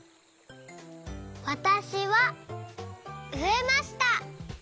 わたしはうえました。